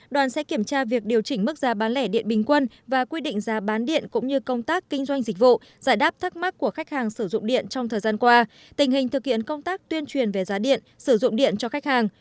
đoàn sẽ kiểm tra việc điều chỉnh mức giá bán lẻ điện bình quân và quy định giá bán điện cũng như công tác kinh doanh dịch vụ giải đáp thắc mắc của khách hàng sử dụng điện trong thời gian qua tình hình thực hiện công tác tuyên truyền về giá điện sử dụng điện cho khách hàng